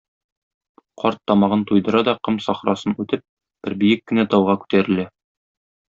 Карт тамагын туйдыра да, ком сахрасын үтеп, бер биек кенә тауга күтәрелә.